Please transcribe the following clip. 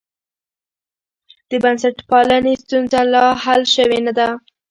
د بنسټپالنې ستونزه لا حل شوې نه ده.